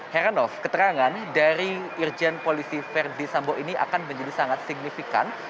heranov keterangan dari irjen polisi verdi sambo ini akan menjadi sangat signifikan